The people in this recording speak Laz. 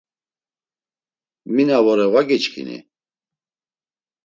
Mi na vore va giçkini?